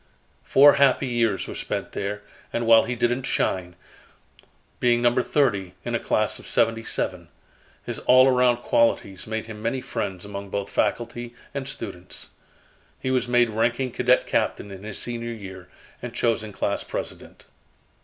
Four happy years were spent there and while he didn't shine, being number thirty in a class of seventy seven, his all around qualities made him many friends among both faculty and students. He was made ranking cadet captain in his senior year, and chosen class president.